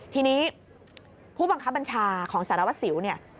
ทีนี้ผู้บังคับบัญชาของสารวัสสิวเนี่ย